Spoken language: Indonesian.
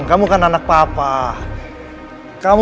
tapi kamu pantas mendapatkan jabatan itu